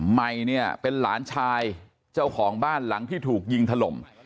ใหม่เนี่ยเป็นหลานชายเจ้าของบ้านหลังที่ถูกยิงถล่ม